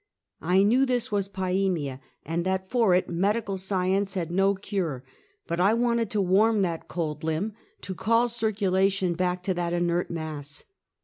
I knew this was piemia and that for it medical science had no cure; but I wanted to warm that cold limb, to call circulation back to that inert mass.